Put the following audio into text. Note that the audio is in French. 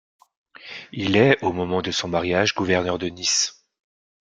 Il est au moment de son mariage gouverneur de Nice.